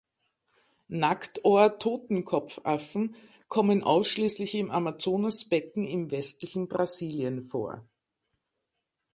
Nacktohr-Totenkopfaffen kommen ausschließlich im Amazonasbecken im westlichen Brasilien vor.